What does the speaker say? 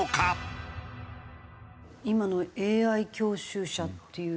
今のＡＩ教習車っていう。